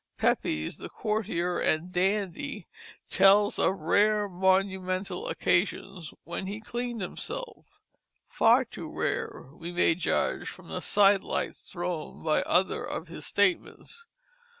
Pepys, the courtier and dandy, tells of rare monumental occasions when he cleaned himself far too rare, we may judge from side lights thrown by other of his statements.